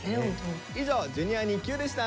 以上「Ｊｒ．にＱ」でした。